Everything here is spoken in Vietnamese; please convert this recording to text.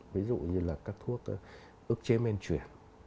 ví dụ như là các thuốc ức chế men chuyển